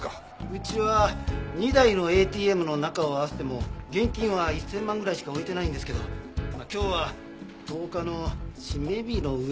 うちは２台のＡＴＭの中を合わせても現金は１０００万ぐらいしか置いてないんですけど今日は１０日の締め日の上。